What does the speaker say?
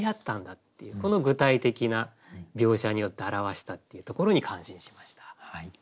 この具体的な描写によって表したっていうところに感心しました。